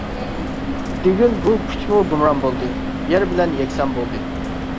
بۈگۈن بۇ كۈچمۇ گۇمران بولدى، يەر بىلەن يەكسان بولدى.